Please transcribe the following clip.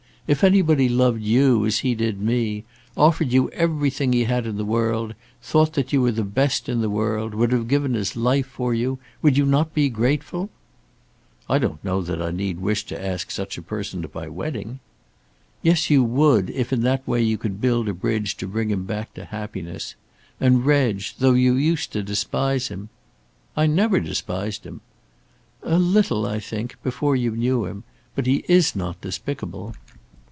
If anybody loved you as he did me, offered you everything he had in the world, thought that you were the best in the world, would have given his life for you, would not you be grateful?" "I don't know that I need wish to ask such a person to my wedding." "Yes, you would, if in that way you could build a bridge to bring him back to happiness. And, Reg, though you used to despise him " "I never despised him." "A little I think before you knew him. But he is not despicable."